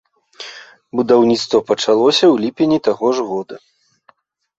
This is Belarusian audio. Будаўніцтва пачалося ў ліпені таго ж года.